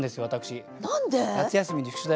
何で？